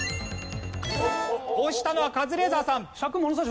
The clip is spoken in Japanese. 押したのはカズレーザーさん。